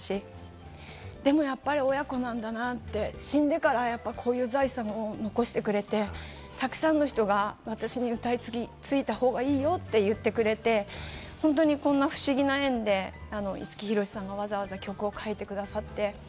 父の娘じゃなかったらよかったと思ったこともあったし、でも、やっぱり親子なんだなと死んでからこういう財産を残してくれて、たくさんの人が私に歌い継いだ方がいいよと言ってくれて、こんな不思議な縁で五木ひろしさんがわざわざ曲を書いてくださって。